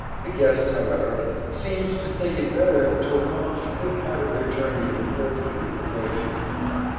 The guests, however, seemed to think it better to accomplish a good part of their journey before the heat of the day should come on.